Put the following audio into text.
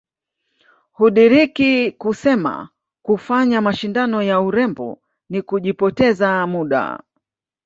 Hudiriki kusema kufanya mashindano ya urembo ni kujipoteza muda